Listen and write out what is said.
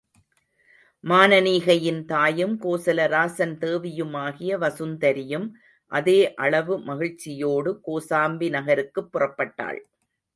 மானனீகையின் தாயும் கோசலராசன் தேவியுமாகிய வசுந்தரியும் அதே அளவு மகிழ்ச்சியோடு கோசாம்பி நகருக்குப் புறப்பட்டாள்.